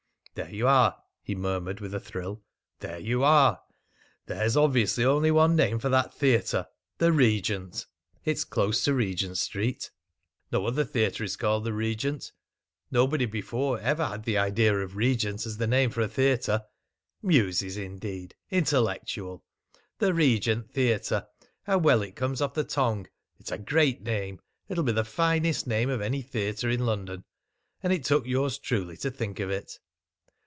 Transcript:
"There you are!" he murmured with a thrill. "There you are! There's obviously only one name for that theatre 'The Regent.' It's close to Regent Street. No other theatre is called 'The Regent.' Nobody before ever had the idea of 'Regent' as a name for a theatre. 'Muses' indeed! ... 'Intellectual!' ... 'The Regent Theatre!' How well it comes off the tongue! It's a great name! It'll be the finest name of any theatre in London! And it took yours truly to think of it!"